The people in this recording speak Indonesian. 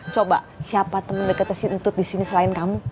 coba siapa temen deketnya si entut disini selain kamu